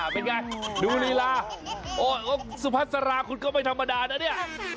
เป็นไงดูลีลาโอ้สุพัสราคุณก็ไม่ธรรมดานะเนี่ย